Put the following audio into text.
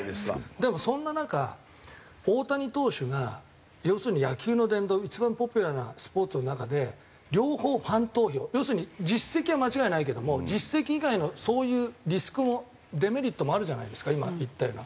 でもそんな中大谷投手が要するに野球の殿堂一番ポピュラーなスポーツの中で両方ファン投票要するに実績は間違いないけども実績以外のそういうリスクもデメリットもあるじゃないですか今言ったような。